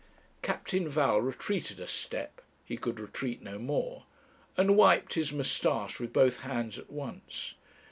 Captain Val retreated a step he could retreat no more and wiped his moustache with both hands at once.